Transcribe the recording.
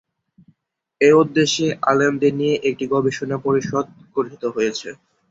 এ উদ্দেশ্যে আলেমদের নিয়ে একটি গবেষণা পরিষদ গঠিত হবে।